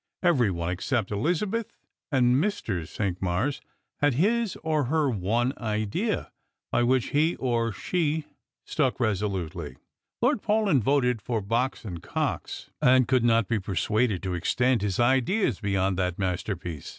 Every one, except Elizabeth and Mr. Cinqmars, had his or her one idea, by which he or she stuck resolutely. Lord Paulyn voted for Box and Cox, and could not be persuaded to extend his ideas beyond that masterpi'^ce.